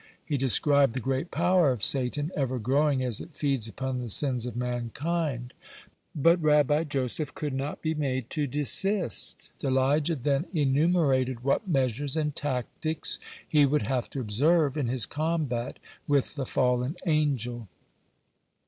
He described the great power of Satan, ever growing as it feeds upon the sins of mankind. But Rabbi Joseph could not be made to desist. Elijah then enumerated what measures and tactics he would have to observe in his combat with the fallen angel.